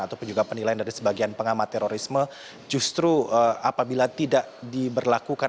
ataupun juga penilaian dari sebagian pengamat terorisme justru apabila tidak diberlakukan